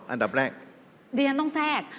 อันดับแรก